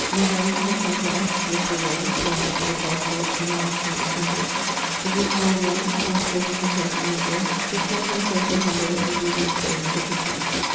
Mesdames, the king's aunts, left lor Rome, furnished with a passport irom the National Assembly; the Duke of Orleans, after his return from England, declared himself the humble and obedient servant of the king.